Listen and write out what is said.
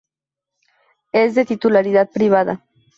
Es de titularidad privada.